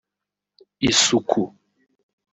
Isuku